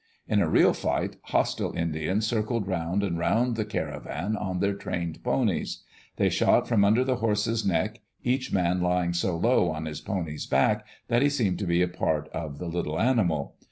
In a real fight, hostile Indians circled round and round the caravan on their trained ponies. They shot from under the horse's neck, each man lying so low on his pony's back tfiat he seemed to be a part of the little animal.